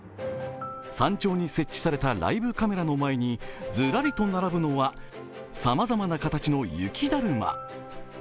山頂に設置されたライブカメラの前にずらりと並ぶのはさまざまな形の雪だるま。